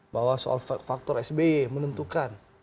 bahwa soal faktor sby menentukan